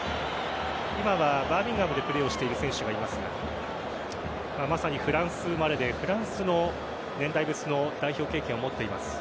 今はバーミンガムでプレーをしている選手がいますがまさにフランス生まれでフランスの年代別の代表経験を持っています。